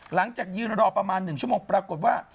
หลังจากยืนรอประมาณ๑ชั่วโมงปรากฏว่า